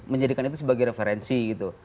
menjadikan itu sebagai referensi gitu